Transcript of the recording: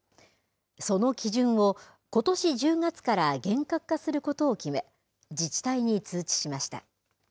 その基準を、ことし１０月から厳格化することを決め、自治体に通知しました。